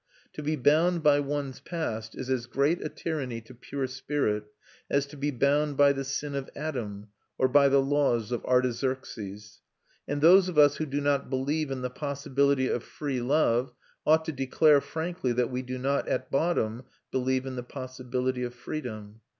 To be bound by one's past is as great a tyranny to pure spirit as to be bound by the sin of Adam, or by the laws of Artaxerxes; and those of us who do not believe in the possibility of free love ought to declare frankly that we do not, at bottom, believe in the possibility of freedom.